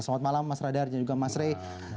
selamat malam mas radar dan juga mas rey